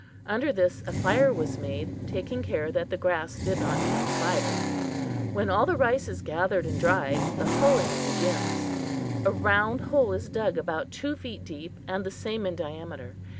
Under this a fire was made, taking care that the grass did not catch fire. When all the rice is gathered and dried, the hulling begins. A round hole is dug about two feet deep and the same in diameter.